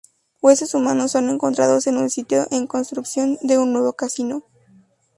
Huesos humanos son encontrados en un sitio en construcción de un nuevo casino.